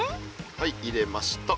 はい入れました。